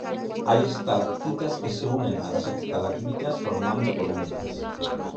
Hay estalactitas que se unen a las estalagmitas formando columnas.